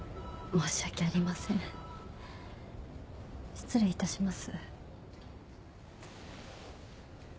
失礼いたします。